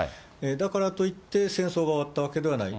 だからといって、戦争が終わったわけではない。